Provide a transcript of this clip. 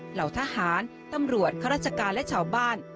เหล่าทหารตำรวจข้าราชการและชาวบ้าน